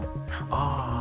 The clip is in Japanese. ああ。